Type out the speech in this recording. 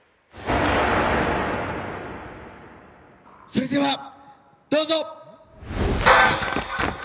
それではどうぞ！